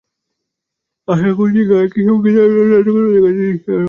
আশা করছি, গায়কি, সংগীতায়োজন, নাটকে গানটির দৃশ্যায়ন—সবকিছু মিলিয়ে অসাধারণ কিছু একটা হবে।